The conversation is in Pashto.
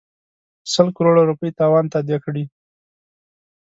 سل کروړه روپۍ تاوان تادیه کړي.